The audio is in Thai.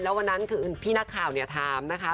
วันนั้นคือพี่นักข่าวเนี่ยถามนะคะ